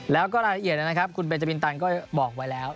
แล้วก็รายละเอียดนะครับคุณเบจบินตันก็บอกไว้แล้ว